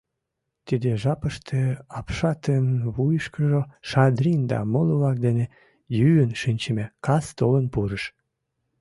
Тиде жапыште апшатын вуйышкыжо Шадрин да моло-влак дене йӱын шинчыме кас толын пурыш.